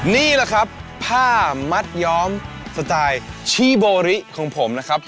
นี่แหละครับผ้ามัดย้อมสไตล์ชีโบริของผมนะครับ